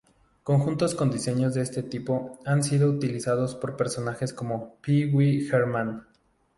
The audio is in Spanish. Conjuntos con diseños de este tipo han sido utilizados por personajes como Pee-Wee Herman.